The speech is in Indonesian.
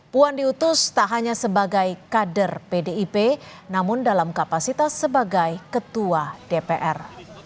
puan diutus tak hanya sebagai kader pdip namun dalam kapasitas sebagai ketua dpr